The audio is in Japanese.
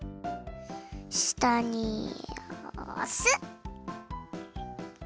したにおす！